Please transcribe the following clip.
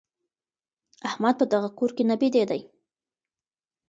احمد په دغه کور کي نه بېدېدی.